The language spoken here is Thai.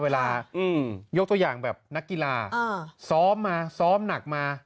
เวลายกตัวอย่างแบบนักกีฬาซ้อมมาซ้อมหนักมา